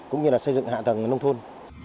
cũng như là xây dựng hạ tầng nông thôn